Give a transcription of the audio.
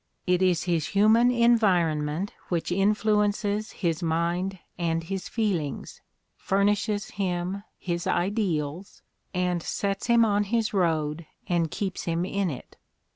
... It is his human environment which influences his mind and his feelings, furnishes him his ideals, and sets him on his road and keeps him in it.